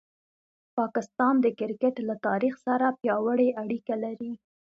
پاکستان د کرکټ له تاریخ سره پیاوړې اړیکه لري.